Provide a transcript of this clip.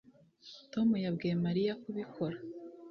Tom yabwiye Mariya kubikora